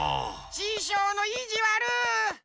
ししょうのいじわる！